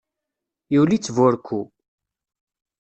Yuli-tt burekku.